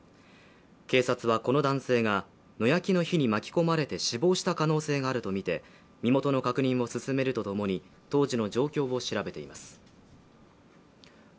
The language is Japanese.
警察は、この男性が野焼きの火に巻き込まれて死亡した可能性があるとみて身元の確認を進めるとともに当時の状況を調べています。